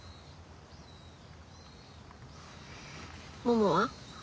ももは？